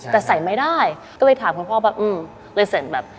แต่ใส่ไม่ได้ก็เลยถามคุณพ่อเลยเสร็จแบบ